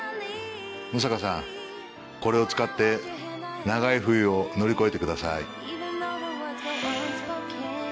六平さんこれを使って長い冬を乗り越えてください。